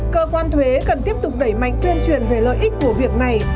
cơ quan thuế cần tiếp tục đẩy mạnh tuyên truyền về lợi ích của việc này